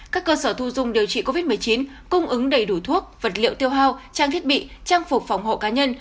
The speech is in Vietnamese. các cơ sở thu dung điều trị covid một mươi chín cung ứng đầy đủ thuốc vật liệu tiêu hao trang thiết bị trang phục phòng hộ cá nhân